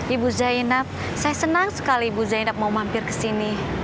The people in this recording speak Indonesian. ibu zainab saya senang sekali ibu zainab mau mampir ke sini